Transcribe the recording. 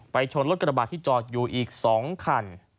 ชนรถกระบาดที่จอดอยู่อีก๒คัน